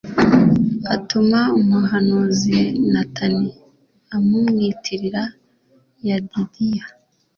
atuma umuhanuzi natani amumwitira yedidiya